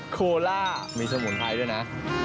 โคล่ามีสมุนไพรด้วยนะ